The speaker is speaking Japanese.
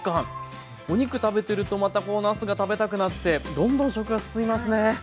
お肉食べてるとまたなすが食べたくなってどんどん食が進みますね！